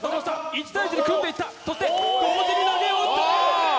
１対１で組んでいったそして同時に投げをうった！